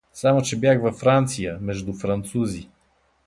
Само че бях във Франция между французи.